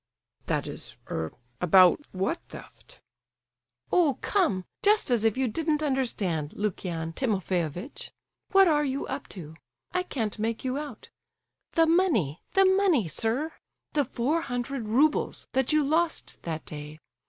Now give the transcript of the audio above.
"That is—er—about—what theft?" "Oh come! just as if you didn't understand, Lukian Timofeyovitch! What are you up to? I can't make you out! The money, the money, sir! The four hundred roubles that you lost that day.